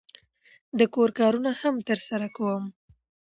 د کور کارونه هم ترسره کوم.